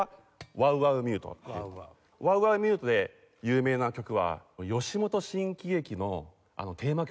ワウワウミュートで有名な曲は吉本新喜劇のテーマ曲。